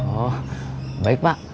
oh baik pak